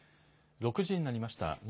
６時になりました。